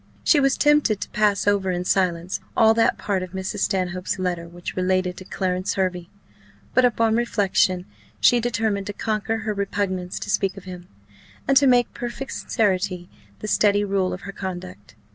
She was tempted to pass over in silence all that part of Mrs. Stanhope's letter which related to Clarence Hervey; but upon reflection, she determined to conquer her repugnance to speak of him, and to make perfect sincerity the steady rule of her conduct.